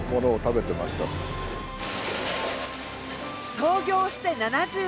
創業して７０年。